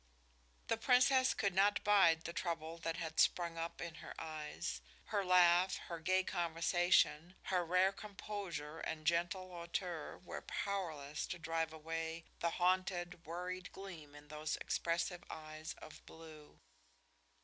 The princess could not bide the trouble that had sprung up in her eyes. Her laugh, her gay conversation, her rare composure and gentle hauteur were powerless to drive away the haunted, worried gleam in those expressive eyes of blue.